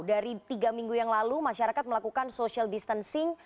dari tiga minggu yang lalu masyarakat melakukan social distancing